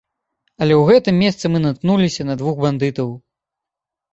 Але ў гэтым месцы мы наткнуліся на двух бандытаў.